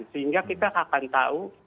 sehingga kita akan tahu